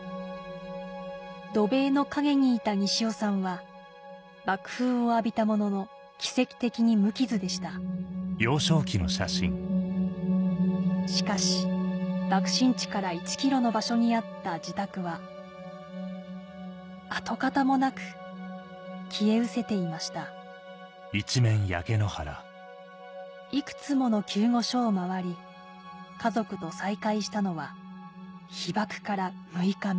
土塀の陰にいた西尾さんは爆風を浴びたものの奇跡的に無傷でしたしかし爆心地から１ｋｍの場所にあった自宅は跡形もなく消えうせていましたいくつもの救護所を回り家族と再会したのは被爆から６日目